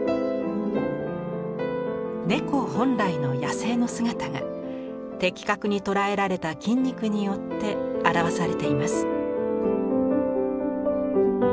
猫本来の野性の姿が的確に捉えられた筋肉によって表されています。